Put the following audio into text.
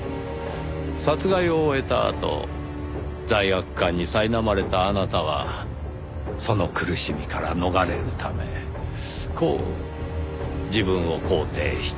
殺害を終えたあと罪悪感にさいなまれたあなたはその苦しみから逃れるためこう自分を肯定した。